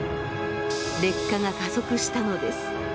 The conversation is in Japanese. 劣化が加速したのです。